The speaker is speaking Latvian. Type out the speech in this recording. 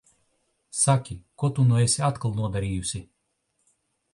Saki, ko tu nu esi atkal nodarījusi?